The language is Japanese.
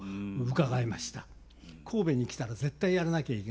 神戸に来たら絶対やらなきゃいけない。